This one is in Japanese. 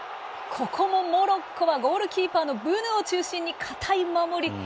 ここもモロッコはゴールキーパーのブヌを中心に堅い守り。